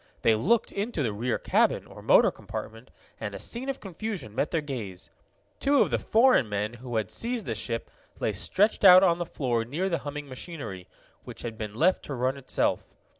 They looked into the rear cabin, or motor compartment, and a scene of confusion met their gaze. Two of the foreign men who had seized the ship lay stretched out on the floor near the humming machinery, which had been left to run itself.